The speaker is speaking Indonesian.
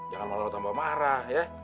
jangan malu malu tambah marah ya